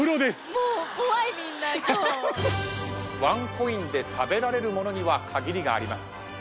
ワンコインで食べられるものには限りがあります。